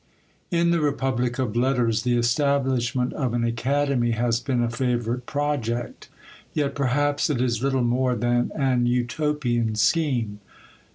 In the republic of letters the establishment of an academy has been a favourite project; yet perhaps it is little more than an Utopian scheme.